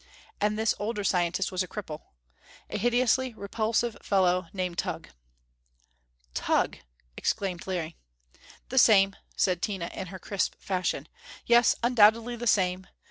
And this older scientist was a cripple. A hideously repulsive fellow, named Tugh! "Tugh!" exclaimed Larry. "The same," said Tina in her crisp fashion. "Yes undoubtedly the same.